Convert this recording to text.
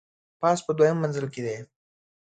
پاس په دوهم منزل کي دی .